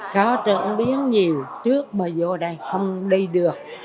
có trở biến nhiều trước mà vô đây không đi được